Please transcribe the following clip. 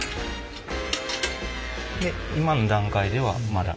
で今の段階ではまだ。